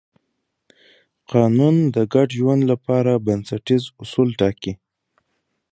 قانون د ګډ ژوند لپاره بنسټیز اصول ټاکي.